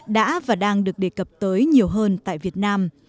đã và đang được đề cập tới nhiều hơn tại việt nam